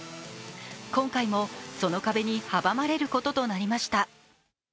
今回も、その壁に阻まれることとなりました。